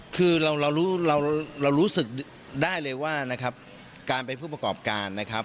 คือเรารู้เรารู้สึกได้เลยว่านะครับการเป็นผู้ประกอบการนะครับ